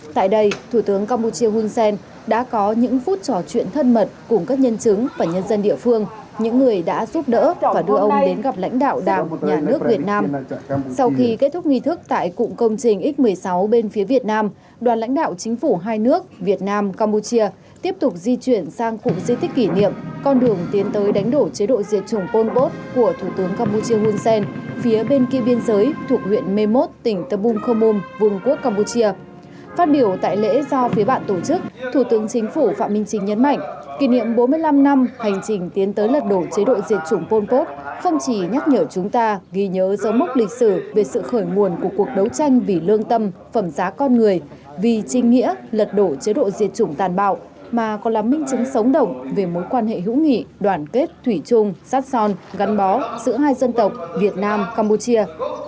thủ tướng chính phủ phạm minh trinh nhấn mạnh kỷ niệm bốn mươi năm năm hành trình tiến tới lật đổ chế độ diệt chủng pol pot phâm trí nhắc nhở chúng ta ghi nhớ dấu mốc lịch sử về sự khởi nguồn của cuộc đấu tranh vì lương tâm phẩm giá con người vì trinh nghĩa lật đổ chế độ diệt chủng tàn bạo mà còn làm minh chứng sống động về mối quan hệ hữu nghị đoàn kết thủy chung sát son gắn bó giữa hai dân tộc việt nam cambodia